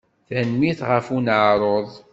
Tanemmirt ɣef uneɛruḍ.